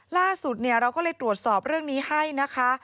ล่าสุดเราก็เลยตรวจสอบเรื่องนี้ให้นะคะ